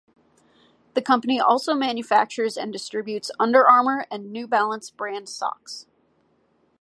The company also manufactures and distributes Under Armour and New Balance brand socks.